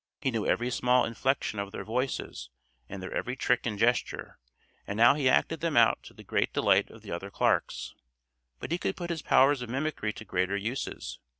He knew every small inflection of their voices and their every trick and gesture, and now he acted them out to the great delight of the other clerks. But he could put his powers of mimicry to greater uses.